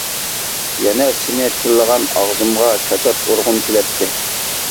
يەنە سېنى تىللىغان ئاغزىمغا كاچات ئۇرغۇم كېلەتتى.